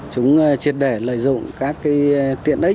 chúng triệt đẻ lợi dụng các tiện